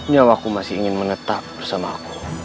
nyawa ku masih ingin menetap bersama aku